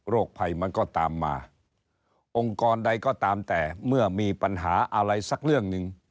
ภัยมันก็ตามมาองค์กรใดก็ตามแต่เมื่อมีปัญหาอะไรสักเรื่องหนึ่ง